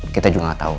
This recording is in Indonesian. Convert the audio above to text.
kita juga gak tau